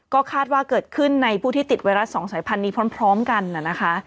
ก็คาดว่าเกิดขึ้นในผู้ที่ติดไวรัสสองสายพันธุ์นี้พร้อมกันนะคะ